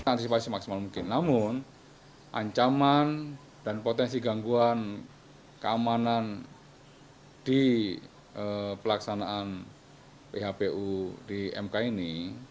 antisipasi semaksimal mungkin namun ancaman dan potensi gangguan keamanan di pelaksanaan phpu di mk ini